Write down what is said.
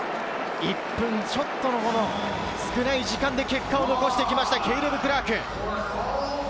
１分ちょっとの少ない時間で結果を残してきました、ケイレブ・クラーク。